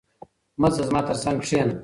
مه ځه، زما تر څنګ کښېنه.